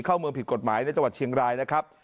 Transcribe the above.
เข้าเมืองผิดกฎหมายในจังหวัดเชียงรายนะครับ